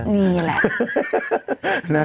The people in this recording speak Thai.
นี่แหละ